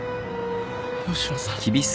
吉野さん！